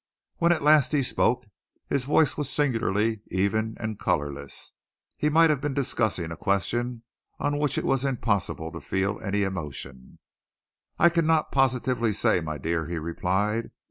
When at last he spoke his voice was singularly even and colourless. He might have been discussing a question on which it was impossible to feel any emotion. "I really cannot positively say, my dear," he replied.